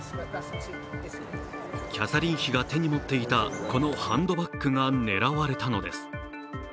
キャサリン妃が手に持っていたこのハンドバッグが狙われたのです。